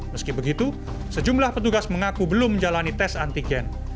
meski begitu sejumlah petugas mengaku belum menjalani tes antigen